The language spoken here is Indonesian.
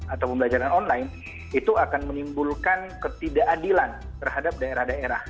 atau pembelajaran online itu akan menimbulkan ketidakadilan terhadap daerah daerah